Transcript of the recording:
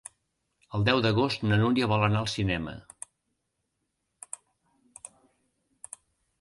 El deu d'agost na Núria vol anar al cinema.